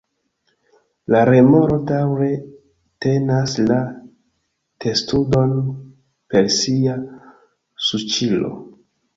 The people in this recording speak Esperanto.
La remoro daŭre tenas la testudon per sia suĉilo.